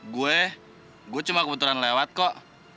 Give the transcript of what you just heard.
gue gue cuma kebetulan lewat kok